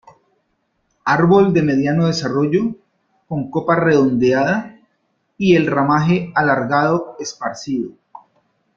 Árbol de mediano desarrollo, con copa redondeada, y el ramaje alargado esparcido.